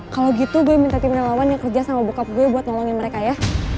kalau gitu gue minta tim relawan yang kerja sama book up gue buat nolongin mereka ya